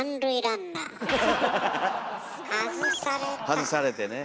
外されてね。